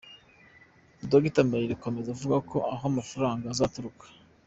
Dr. Mbayire akomeza avuga ko aho amafaranga azaturuka